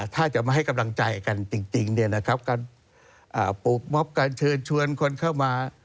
ถ้าจะมาให้กำลังใจกันจริงการปลูกม็อบการเชิญชวนคนเข้ามา